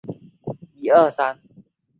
车站位于东西向的高路上。